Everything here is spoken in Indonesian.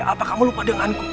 apa kamu lupa denganku